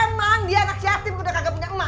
emang dia anak siasim udah kagak punya emak